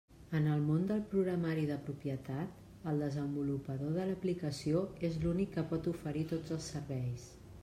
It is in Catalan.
En el món del programari de propietat, el desenvolupador de l'aplicació és l'únic que pot oferir tots els serveis.